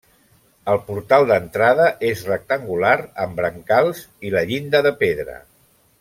El portal d'entrada és rectangular amb brancals i la llinda de pedra.